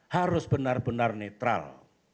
harus benar benar netral